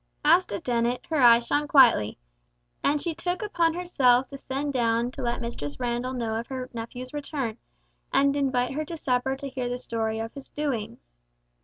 As to Dennet, her eyes shone quietly, and she took upon herself to send down to let Mistress Randall know of her nephew's return, and invite her to supper to hear the story of his doings.